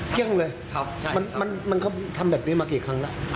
เกรี้ยงเลยมันทำแบบนี้มากี่ครั้งละ